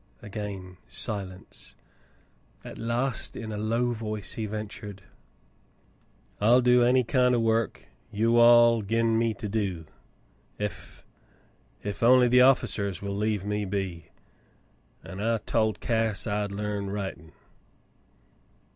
Again silence. At last, in a low voice, he ventured : "I'll do any kind o' work you all gin' me to do — ef — ef onlv the officers will leave me be — an' I tol' Cass I'd larn writin'."